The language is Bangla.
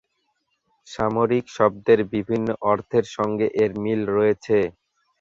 সামরিক' শব্দের বিভিন্ন অর্থের সঙ্গে এর মিল রয়েছে।